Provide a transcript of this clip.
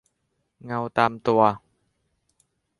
เงาตามตัว